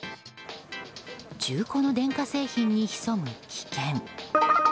中古の電化製品に潜む危険。